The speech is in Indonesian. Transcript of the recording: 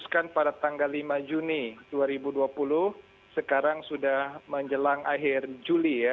kan pada tanggal lima juni dua ribu dua puluh sekarang sudah menjelang akhir juli ya